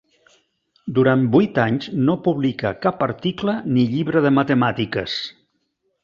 Durant vuit anys no publicà cap article ni llibre de matemàtiques.